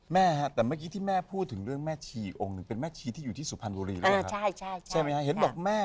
แม่ฮะแต่เมื่อกี้ที่แม่พูดถึงเรื่องแม่ชีองค์เป็นที่อยู่ที่สุพรรณบุรีเลยอะครับ